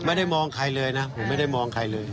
ไม่ได้มองใครเลยนะผมไม่ได้มองใครเลย